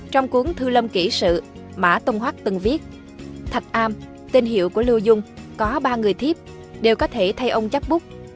trong cuốn thư lâm kỷ sự mã tông hắc từng viết thạch am tin hiệu của lưu dung có ba người thiếp đều có thể thay ông chắc bút